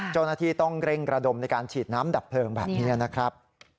เจ้าหน้าที่ต้องเร่งระดมในการฉีดน้ำดับเพลิงแบบนี้นะครับ